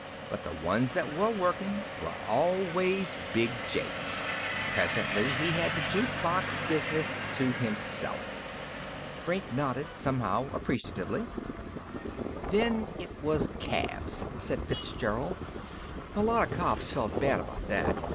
But the ones that were workin' were always Big Jake's. Presently he had the juke box business to himself." Brink nodded, somehow appreciatively. "Then it was cabs," said Fitzgerald. "A lot of cops felt bad about that.